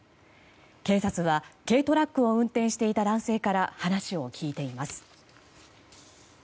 警察は軽トラックを運転していた男性から話を聞いています。